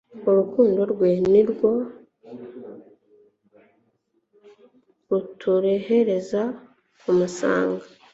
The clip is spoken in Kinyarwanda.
Urukundo rwe ni rwo ruturehereza kumusanga.